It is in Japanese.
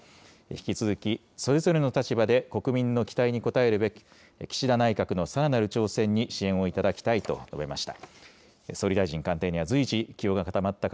引き続きそれぞれの立場で国民の期待に応えるべく、岸田内閣のさらなる挑戦に支援をいただきたいと述べました。